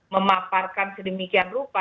memaparkan sedemikian rupa